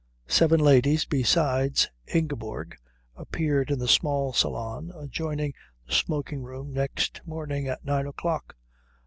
Seven ladies besides Ingeborg appeared in the small salon adjoining the smoking room next morning at nine o'clock.